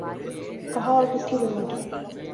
کہاں اور کس کی لبرٹی؟